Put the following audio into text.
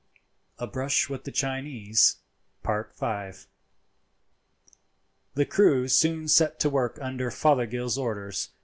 A BRUSH WITH THE CHINESE.—V. The crew soon set to work under Fothergill's orders.